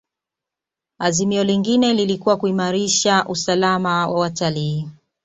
azimio lingine lilikuwa kuimalisha usalama wa watalii